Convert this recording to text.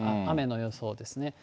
雨の予想ですね。